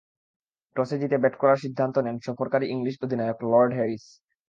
টসে জিতে ব্যাট করার সিদ্ধান্ত নেন সফরকারী ইংলিশ অধিনায়ক লর্ড হ্যারিস।